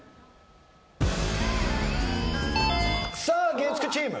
月９チーム！